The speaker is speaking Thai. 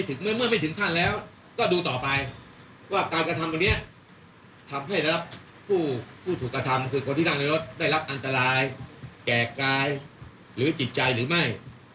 คือเลี่ยงคนที่นั่งในรถได้รับอันตรายแก่กายหรือจิตใจหรือไม่